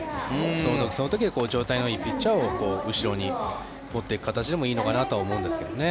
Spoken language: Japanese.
その時その時で状態のいいピッチャーを後ろに持っていく形でもいいのかなと思いますがね。